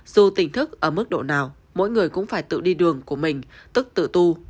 dù tình thức ở mức độ nào mỗi người cũng phải tự đi đường của mình tức tự tu